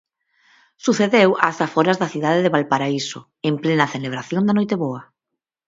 Sucedeu ás aforas da cidade de Valparaíso, en plena celebración da Noiteboa.